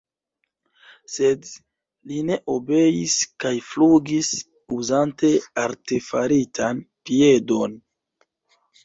Sed li ne obeis kaj flugis, uzante artefaritan piedon.